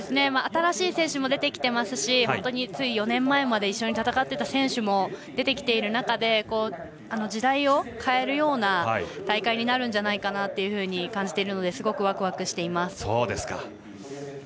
新しい選手も出てきていますしつい４年前まで一緒に戦ってた選手も出てきている中で時代を変えるような大会になるんじゃないかなと感じているのですごくワクワクしています。